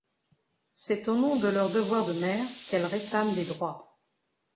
C’est au nom de leurs devoirs de mère, qu’elles réclament des droits.